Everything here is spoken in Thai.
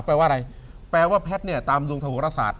แปลว่าแพทย์ตามเรืองโทำโครสาธิ์